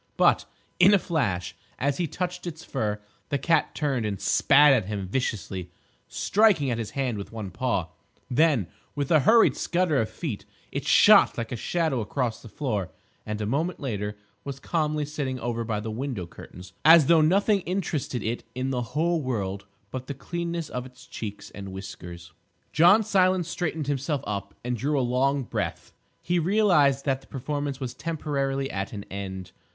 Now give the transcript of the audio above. But, in a flash, as he touched its fur, the cat turned and spat at him viciously, striking at his hand with one paw. Then, with a hurried scutter of feet, it shot like a shadow across the floor and a moment later was calmly sitting over by the window curtains washing its face as though nothing interested it in the whole world but the cleanness of its cheeks and whiskers. John Silence straightened himself up and drew a long breath. He realised that the performance was temporarily at an end.